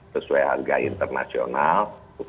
sesuai harga internasional